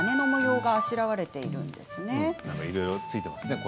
いろいろついていますね。